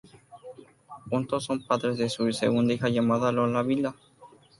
Juntos son padres de su segunda hija llamada Lola Vila.